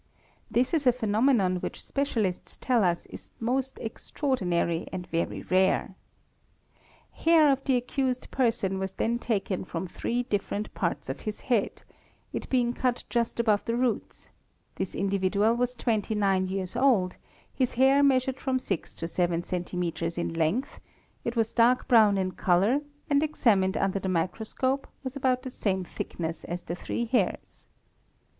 This is a phenomenon which specialists tell us 1s most extraordinary and very rare. Hair of the accused person was then taken from three differ ent parts of his head, it being cut just above the roots; this individual was twenty nine years old, his hair measured from six to seven centimetres in length, it was dark brown in colour, and examined under the microscope was about the same thickness as the three hairs.